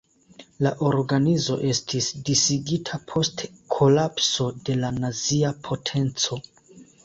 La organizo estis disigita post kolapso de la nazia potenco.